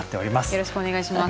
よろしくお願いします。